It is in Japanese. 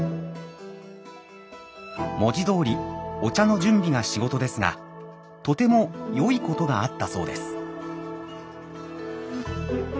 文字どおりお茶の準備が仕事ですがとても良いことがあったそうです。